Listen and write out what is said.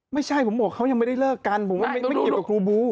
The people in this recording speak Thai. ไม่ใช่ผมบอกเขายังไม่ได้เลิกกันผมว่าไม่เกี่ยวกับครูบู